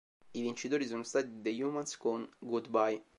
I vincitori sono stati i The Humans con "Goodbye".